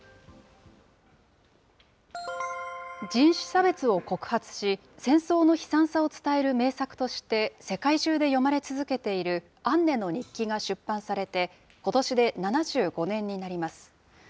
人種差別を告発し、戦争の悲惨さを伝える名作として世界中で読まれ続けているアンネの日記が出版されて、ことしで７５年になります。